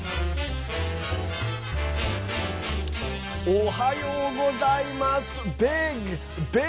おはようございます。